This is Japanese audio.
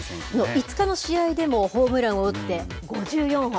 ５日の試合でもホームランを打って、５４本。